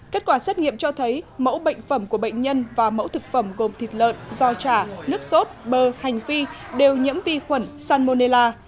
kết quả xét nghiệm cho thấy mẫu bệnh phẩm của bệnh nhân và mẫu thực phẩm gồm thịt lợn do trà nước sốt bơ hành phi đều nhiễm vi khuẩn salmonella